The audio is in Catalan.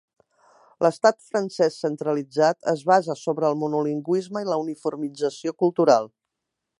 L’Estat francès centralitzat és basat sobre el monolingüisme i la uniformització cultural.